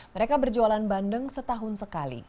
mereka berjualan bandeng setahun sekali